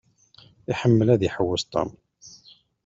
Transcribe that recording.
Iḥemmel ad iḥewwes Tom.